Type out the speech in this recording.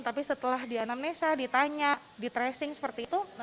tapi setelah di anamnesa ditanya di tracing seperti itu